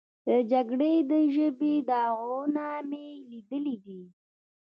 د جګړې د ژبې داغونه مې لیدلي دي.